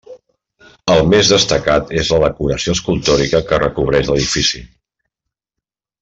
El més destacat és la decoració escultòrica que recobreix l'edifici.